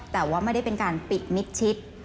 แต่ว่าไม่ได้เป็นการปิดมิดชิด